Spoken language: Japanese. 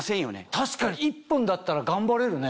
確かに１分だったら頑張れるね。